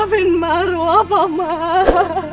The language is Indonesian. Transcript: maafin marwah paman